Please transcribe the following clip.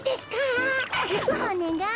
おねがい。